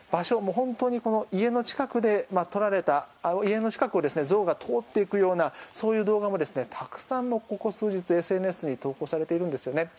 本当に家の近くで撮られた家の近くを象が通っていくようなそういう動画もたくさん、ここ数日ＳＮＳに投稿されているんですね。